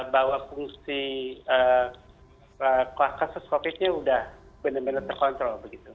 bahwa fungsi kasus covid nya sudah benar benar terkontrol